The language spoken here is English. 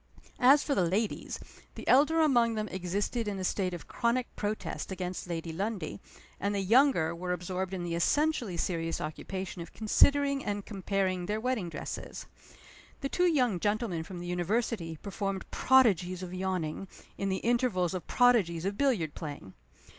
As for the ladies, the elder among them existed in a state of chronic protest against Lady Lundie, and the younger were absorbed in the essentially serious occupation of considering and comparing their wedding dresses. The two young gentlemen from the University performed prodigies of yawning, in the intervals of prodigies of billiard playing.